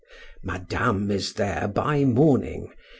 Madame is there by morning.